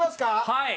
はい！